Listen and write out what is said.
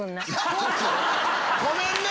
ごめんね！